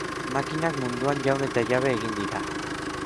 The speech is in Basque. Makinak munduan jaun eta jabe egin dira.